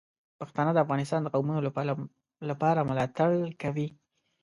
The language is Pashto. پښتانه د افغانستان د قومونو لپاره ملاتړ کوي.